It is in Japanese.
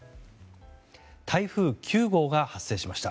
台風９号が発生しました。